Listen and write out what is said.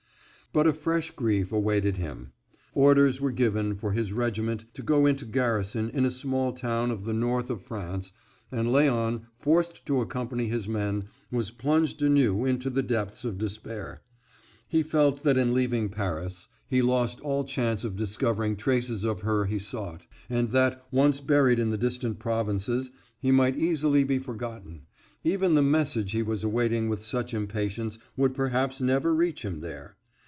But a fresh grief awaited him; orders were given for his regiment to go into garrison in a small town of the north of France, and Léon, forced to accompany his men, was plunged anew into the depths of despair. He felt that in leaving Paris he lost all chance of discovering traces of her he sought, and that, once buried in the distant provinces, he might easily be forgotten; even the message he was awaiting with such impatience would perhaps never reach him there.